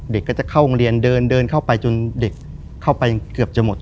เด็กก็จะเข้าโรงเรียนเดินเดินเข้าไปจนเด็กเข้าไปเกือบจะหมด